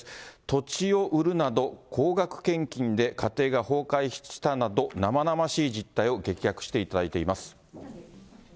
土地を売るなど、高額献金で家庭が崩壊したなど、生々しい実態を激白していただいています。